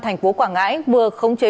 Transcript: thành phố quảng ngãi vừa khống chế